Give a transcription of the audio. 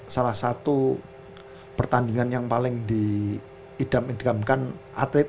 salah satu pertandingan yang paling diidamkan atlet